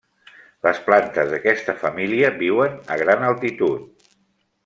Les plantes d'aquesta família viuen a gran altitud.